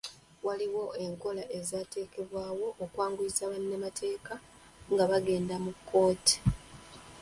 Waliwo enkola ezaatekebwawo okwanguyiza bannamateeka nga bagenda mu kkooti.